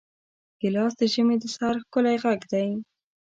ګیلاس د ژمي د سحر ښکلی غږ دی.